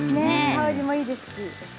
香りもいいですし。